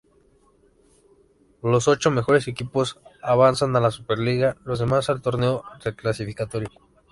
Los ocho mejores equipos avanzan a la Super liga, los demás al torneo reclasificatorio.